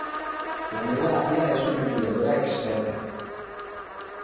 La meva àvia és una jugadora experta.